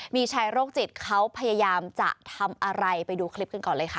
มีชายโรคจิตเขาพยายามจะทำอะไรไปดูคลิปกันก่อนเลยค่ะ